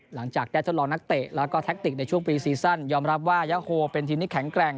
หลังจากได้ทดลองนักเตะแล้วก็แท็กติกในช่วงปีซีซั่นยอมรับว่ายาโฮเป็นทีมที่แข็งแกร่ง